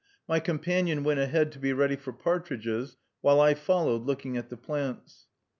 My companion went ahead to be ready for partridges, while I followed, looking at the plants.